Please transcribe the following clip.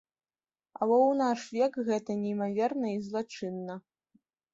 А бо ў наш век гэта неймаверна і злачынна.